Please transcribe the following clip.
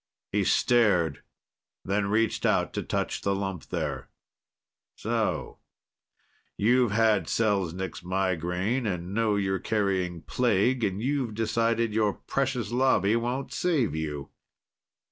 He stared, then reached out to touch the lump there. "So you've had Selznik's migraine and know you're carrying plague. And you've decided your precious Lobby won't save you?"